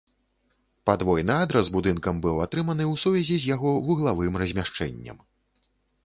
Падвойны адрас будынкам быў атрыманы ў сувязі з яго вуглавым размяшчэннем.